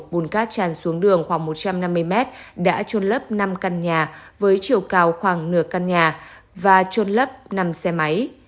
bùn cát tràn xuống đường khoảng một trăm năm mươi mét đã trôn lấp năm căn nhà với chiều cao khoảng nửa căn nhà và trôn lấp năm xe máy